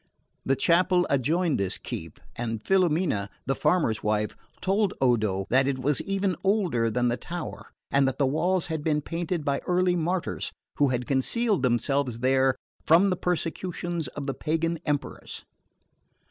The chapel adjoined this keep, and Filomena, the farmer's wife, told Odo that it was even older than the tower and that the walls had been painted by early martyrs who had concealed themselves there from the persecutions of the pagan emperors.